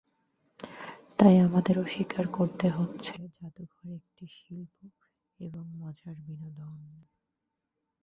তাই আমাদেরও স্বীকার করতে হচ্ছে জাদু একটি শিল্প এবং মজার বিনোদন।